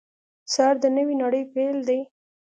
سهار د نوې نړۍ پیل دی.